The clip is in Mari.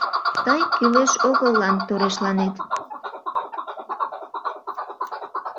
Тый кӱлеш-огыллан торешланет.